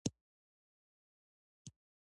د افغانستان طبیعت له بدخشان څخه جوړ شوی دی.